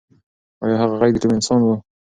ایا هغه غږ د کوم انسان و؟